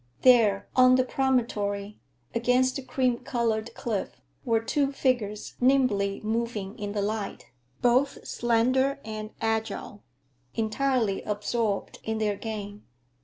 There on the promontory, against the cream colored cliff, were two figures nimbly moving in the light, both slender and agile, entirely absorbed in their game.